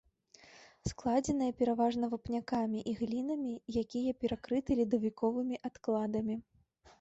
Складзеная пераважна вапнякамі і глінамі, якія перакрыты ледавіковымі адкладамі.